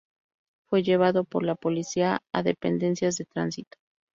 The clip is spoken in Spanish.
Fue llevado por la policía a dependencias de tránsito.